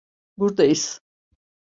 Burdayız.